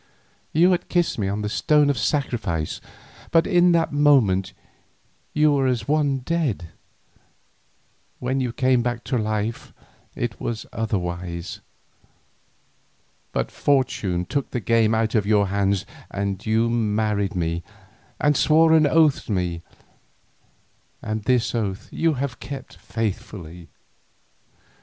You had kissed me on the stone of sacrifice, but in that moment you were as one dead; when you came back to life, it was otherwise. But fortune took the game out of your hands and you married me, and swore an oath to me, and this oath you have kept faithfully.